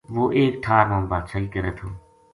وہ ایک ٹھار ما بادشاہی کرے تھو